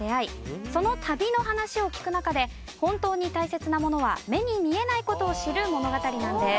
その旅の話を聞く中で本当に大切なものは目に見えない事を知る物語なんです。